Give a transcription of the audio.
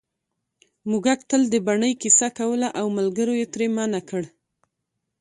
موږک تل د بنۍ کیسه کوله او ملګرو یې ترې منع کړ